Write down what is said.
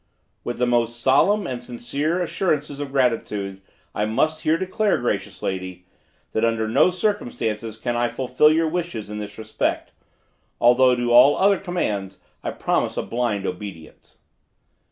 With the most solemn and sincere assurances of gratitude I must here declare, gracious lady, that under no circumstances can I fulfil your wishes in this respect, although to all other commands I promise a blind obedience.